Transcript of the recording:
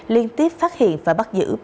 liên tiếp phát hiện và bắt giữ